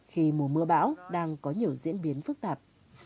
khi mùa mưa bão đang có nhiều diễn biến phức tạp